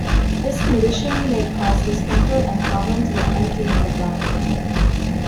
This condition may cause discomfort and problems with emptying the bladder.